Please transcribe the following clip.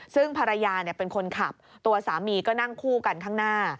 ซึ่งภรรยาเป็นคนขับตัวสามีก็นั่งคู่กันข้างหน้า